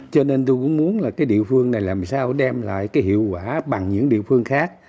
cho nên tôi cũng muốn là cái địa phương này làm sao đem lại cái hiệu quả bằng những địa phương khác